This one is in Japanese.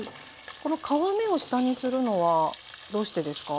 この皮目を下にするのはどうしてですか？